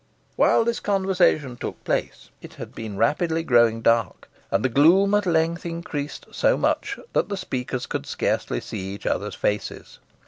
While this conversation took place, it had been rapidly growing dark, and the gloom at length increased so much, that the speakers could scarcely see each other's faces.